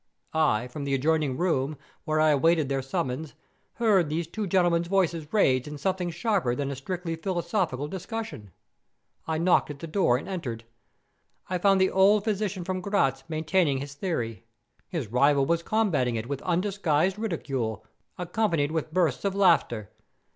I, from the adjoining room, where I awaited their summons, heard these two gentlemen's voices raised in something sharper than a strictly philosophical discussion. I knocked at the door and entered. I found the old physician from Gratz maintaining his theory. His rival was combating it with undisguised ridicule, accompanied with bursts of laughter.